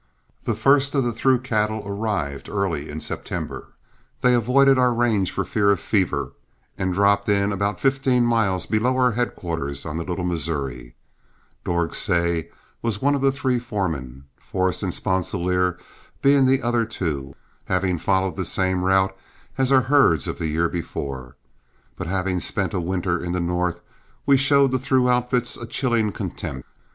The first of the through cattle arrived early in September. They avoided our range for fear of fever, and dropped in about fifteen miles below our headquarters on the Little Missouri. Dorg Seay was one of the three foremen, Forrest and Sponsilier being the other two, having followed the same route as our herds of the year before. But having spent a winter in the North, we showed the through outfits a chilling contempt.